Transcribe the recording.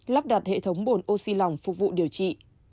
lắp đặt hệ thống bồn oxy lòng phục vụ điều trị